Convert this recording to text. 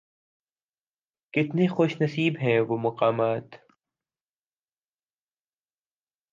کتنے خوش نصیب ہیں وہ مقامات